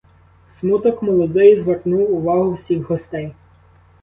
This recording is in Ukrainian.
Смуток молодої звернув увагу всіх гостей.